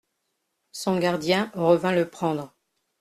Son gardien revint le prendre.